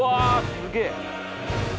すげえ。